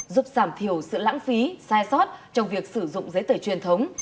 giúp giảm thiểu sự lãng phí sai sót trong việc sử dụng giấy tờ truyền thống